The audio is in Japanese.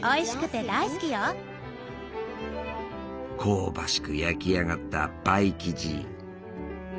香ばしく焼き上がったパイ生地。